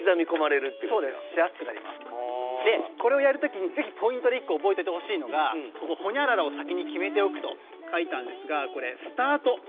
これをやるときにポイントで覚えていてほしいのはほにゃららを先に決めておくと書いたんですがスタート。